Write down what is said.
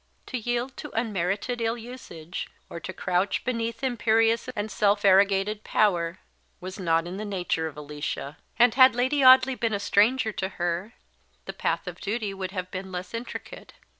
To yield to unmerited ill usage, or to crouch beneath imperious and self arrogated power, was not in the nature of Alicia; and had Lady Audley been a stranger to her, the path of duty would have been less intricate.